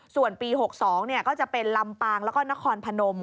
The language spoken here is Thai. ส่วนปี๖๒ก็จะเป็นลำปางแล้วก็นครพนม